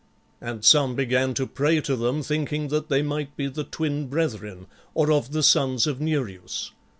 And some began to pray to them, thinking that they might be the Twin Brethren or of the sons of Nereus.